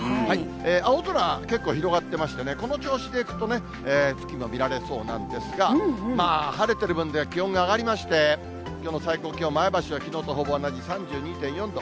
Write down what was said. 青空、結構広がってましてね、この調子でいくとね、月も見られそうなんですが、晴れてるぶんね、気温が上がりまして、きょうの最高気温、前橋はきのうとほぼ同じ３２．４度。